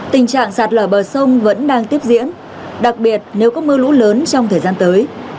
tình trạng sạt lở bờ sông vẫn đang tiếp diễn đặc biệt nếu có mưa lũ lớn trong thời gian tới